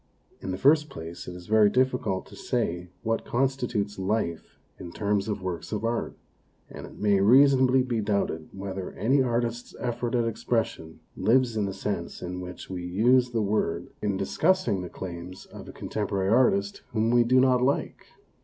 In the first place, it is very difficult to say what con stitutes life in terms of works of art, and it may reasonably be doubted whether any artist's effort at expression lives in the sense in which we use the word in discussing the 179 180 MONOLOGUES claims of a contemporary artist whom we do not like.